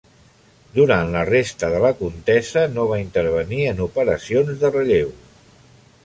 Durant la resta de la contesa no va intervenir en operacions de relleu.